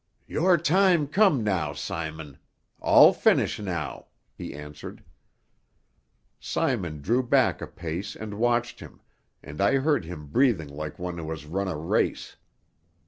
"Your time come now, Simon. All finish now," he answered. Simon drew back a pace and watched him, and I heard him breathing like one who has run a race.